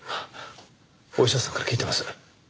お医者さんから聞いてます。